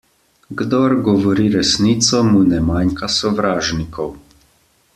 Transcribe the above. Kdor govori resnico, mu ne manjka sovražnikov.